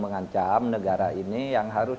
mengancam negara ini yang harus